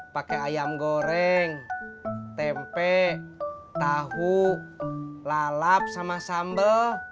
pakai ayam goreng tempe tahu lalap sama sambal